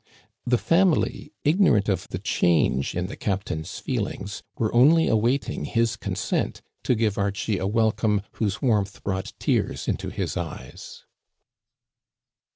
The family, ignorant of the change in the captain's feelings, were only awaiting his consent to give Archie a welcome whose warmth brought tears into his eyes.